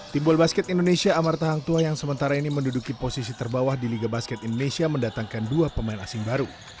tim bola basket indonesia amarta hangtua yang sementara ini menduduki posisi terbawah di liga basket indonesia mendatangkan dua pemain asing baru